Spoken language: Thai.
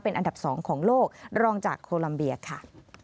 อันดับ๒ของโลกรองจากโคลัมเบียค่ะ